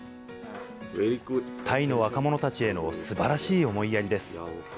タイの若者たちへのすばらしい思いやりです。